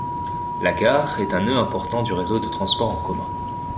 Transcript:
La gare est un nœud important du réseau de transport en commun.